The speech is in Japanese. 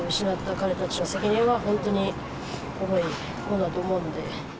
彼たちの責任は本当に重いものだと思うので。